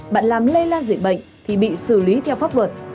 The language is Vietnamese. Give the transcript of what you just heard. bạn làm lây lan dễ bệnh thì bị xử lý theo pháp vật